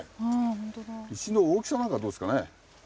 石の大きさなんかどうですかね？